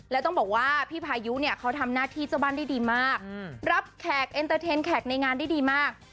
แล้วต้องบอกว่าพี่พายุเนี่ยเขาทำหน้าที่เจ้าบ้านได้ดีมากรับแขกเอ็นเตอร์เทนแขกในงานได้ดีมาก